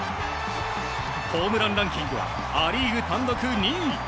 ホームランランキングはア・リーグ単独２位。